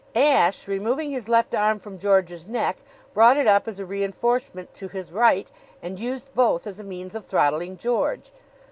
Ashe, removing his left arm from George's neck, brought it up as a reinforcement to his right, and used both as a means of throttling George.